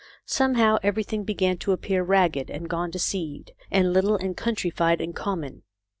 Somehow everything began to appear ragged and gone to seed and little and coun trified and common.